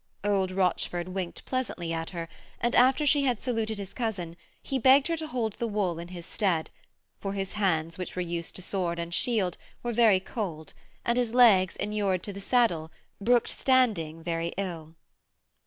Old Rochford winked pleasantly at her, and, after she had saluted his cousin, he begged her to hold the wool in his stead, for his hands, which were used to sword and shield, were very cold, and his legs, inured to the saddle, brooked standing very ill.